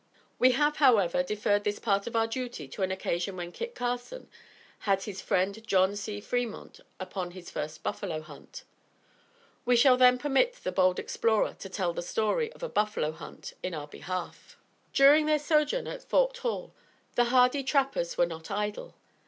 We have, however deferred this part of our duty to an occasion when Kit Carson had his friend John C. Fremont upon his first buffalo hunt. We shall then permit the bold Explorer to tell the story of a buffalo hunt in our behalf. [Footnote 11: See page 161.] During their sojourn at Fort Hall, the hardy trappers were not idle.